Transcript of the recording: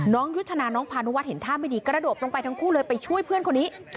ยุทธนาน้องพานุวัฒนเห็นท่าไม่ดีกระโดดลงไปทั้งคู่เลยไปช่วยเพื่อนคนนี้